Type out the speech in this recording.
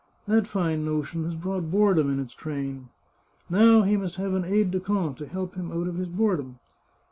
That fine notion has brought boredom in its train. " Now he must have an aide de camp to help him out of his boredom.